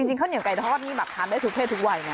จริงข้าวเหนียวไก่ทอดนี่แบบทานได้ทุกเพศทุกวัยนะ